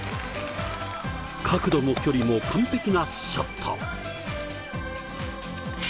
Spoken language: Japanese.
角度も距離も完璧なショット。